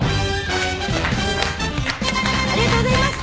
ありがとうございます。